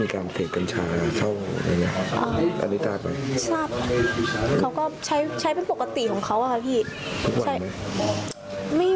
เขาก็ใช้เป็นปกติของเขาอะค่ะพี่